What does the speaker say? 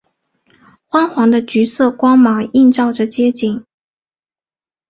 昏黄的橘色光芒映照着街景